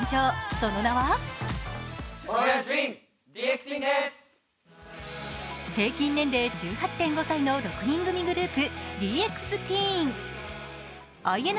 その名は平均年齢１８．５歳の６人組グループ、ＤＸＴＥＥＮ。